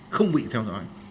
không bị theo dõi